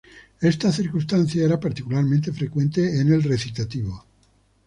Esta circunstancia era particularmente frecuente en el recitativo.